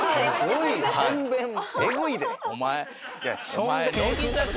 お前。